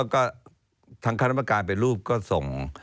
ก็ทางคณะประการเป็นรูปก็ส่ง